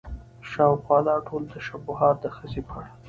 شاوخوا دا ټول تشبيهات د ښځې په اړه